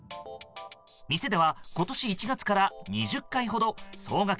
店では、今年１月から２０回ほど総額